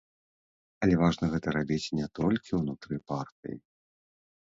Але важна гэта рабіць не толькі ўнутры партыі.